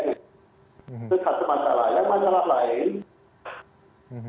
itu satu masalah yang masalah lain